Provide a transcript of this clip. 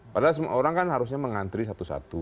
padahal semua orang kan harusnya mengantri satu satu